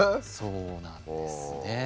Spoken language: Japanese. そうなんですね。